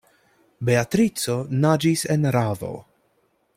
Beatrico naĝis en ravo.